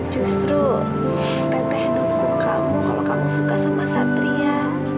justru teteh dukung kamu kalau kamu suka sama satria